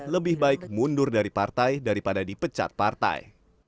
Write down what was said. lebih baik mundur dari partai daripada dipecat partai